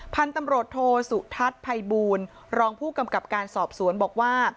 พันธุ์ตำรวจโทสุทัศน์ภัยบูลรองผู้กำกับการสอบสวนบอกว่า